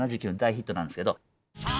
７９年の大ヒットなんですけど。